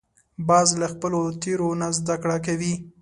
باز له خپلو تېرو نه زده کړه کوي